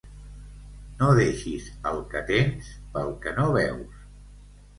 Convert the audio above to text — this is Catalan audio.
No deixis el que tens, pel que no veus.